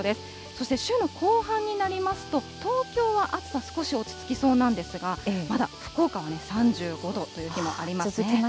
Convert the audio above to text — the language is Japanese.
そして週の後半になりますと、東京は暑さ少し落ち着きそうなんですが、まだ福岡は３５度という日もありますね。